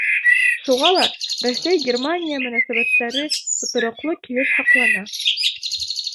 Шуға ла Рәсәй — Германия мөнәсәбәттәре тотороҡло килеш һаҡлана.